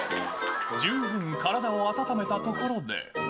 十分体を温めたところで。